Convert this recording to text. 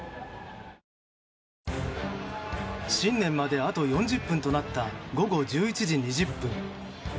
新年まであと４０分となった午後１１時２０分。